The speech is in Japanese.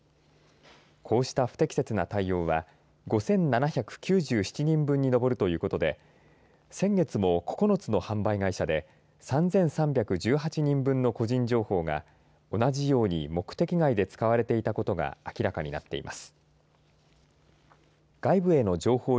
こうした不適切な対応は５７９７人に上るということで先月も９つの販売会社で３３１８人分の個人情報が同じように目的外で使われていたことが明らかになっています。